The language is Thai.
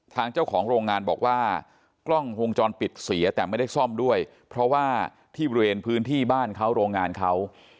ทางเจ้าของโรงงานบอกว่ากล้องวงจรปิดเสียแต่ไม่ได้ซ่อมด้วยเพราะว่าที่บริเวณพื้นที่บ้านเขาโรงงานเขา